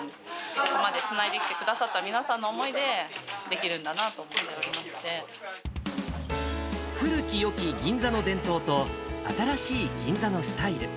ここまでつないできてくださった皆さんの思いで、古きよき銀座の伝統と、新しい銀座のスタイル。